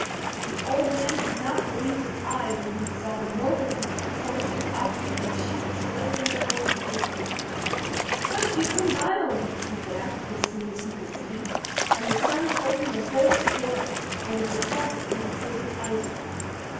The old man could not believe his eyes when he saw the multitudes of horses, oxen and sheep standing before his door. "How did you come by all these?" he gasped, as soon as he could speak; and the son told him the whole story, and of the promise he had given Eisenkopf.